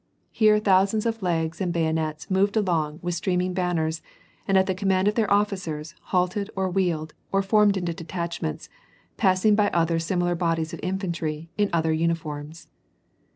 Here thousands of legs and bayonets moved along with stream ing banners, and at the command of their officers, halted or wheeled, or formed into detachments, passing by other similar bodies of infantry, in other uniforms.